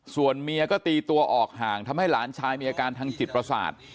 ส่วนเมียก็ตีตัวออกห่างทำให้หลานชายมีอาการทางจิตประสาท